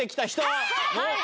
はい！